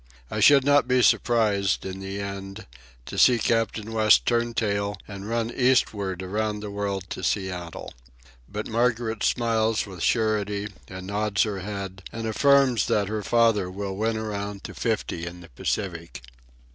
I should not be surprised, in the end, to see Captain West turn tail and run eastward around the world to Seattle. But Margaret smiles with surety, and nods her head, and affirms that her father will win around to 50 in the Pacific.